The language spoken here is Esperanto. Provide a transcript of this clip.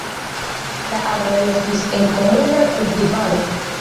La agroj estis en komuna kultivado.